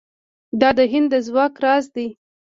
دا د هند د ځواک راز دی.